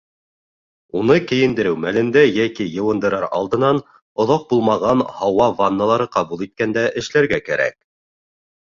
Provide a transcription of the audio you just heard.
Уны кейендереү мәлендә йәки йыуындырыр алдынан, оҙаҡ булмаған һауа ванналары ҡабул иткәндә эшләргә кәрәк.